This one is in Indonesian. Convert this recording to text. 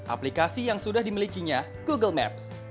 aplikasi yang sudah dimilikinya google maps